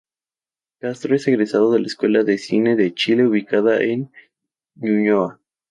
Castro es egresado de la Escuela de Cine de Chile, ubicada en Ñuñoa.